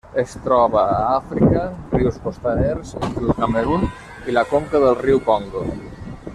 Es troba a Àfrica: rius costaners entre el Camerun i la conca del riu Congo.